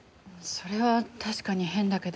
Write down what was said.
それは確かに変だけど。